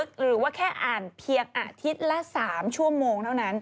หรือว่าแค่อ่านเพียงอาทิตย์ละ๓ชั่วโมงเท่านั้น